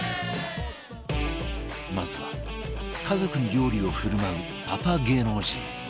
まずは家族に料理を振る舞うパパ芸能人